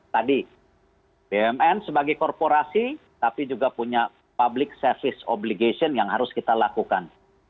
tadi bumn sebagai korporasi tapi juga punya public service obligation yang harus kita lakukan